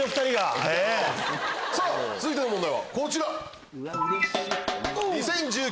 続いての問題はこちら！